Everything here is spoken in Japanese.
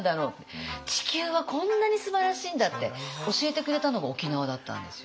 地球はこんなにすばらしいんだって教えてくれたのが沖縄だったんですよ。